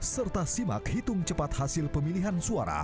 serta simak hitung cepat hasil pemilihan suara